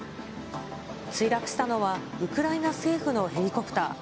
墜落したのは、ウクライナ政府のヘリコプター。